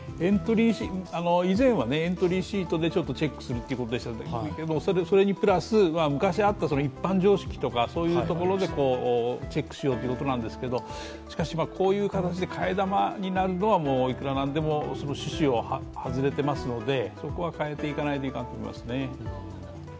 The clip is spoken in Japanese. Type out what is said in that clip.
以前はエントリーシートでチェックするということでしたけど、それプラス昔あった一般常識とかいうところでチェックしようということなんですけどこういう形で替え玉になるのはいくら何でも趣旨を外れていますので、そこは変えていかないといけないと思いますね。